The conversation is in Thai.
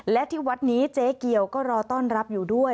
และที่วัดนี้เจ๊เกียวก็รอต้อนรับอยู่ด้วย